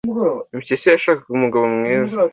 Impyisi yashakaga umugabo mwiza